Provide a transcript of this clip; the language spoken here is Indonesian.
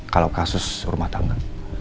kalau kasus rumah tangga